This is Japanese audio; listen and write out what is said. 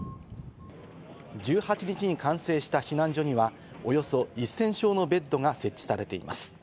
１８日に完成した避難所にはおよそ１０００床のベッドが設置されています。